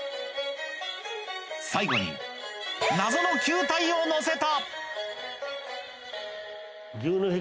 最後に謎の球体をのせた！